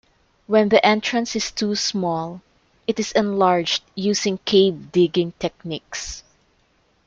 When the entrance is too small, it is enlarged using cave digging techniques.